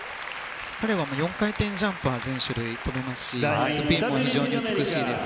彼も４回転ジャンプは全種類跳べますしスピンも非常に美しいです。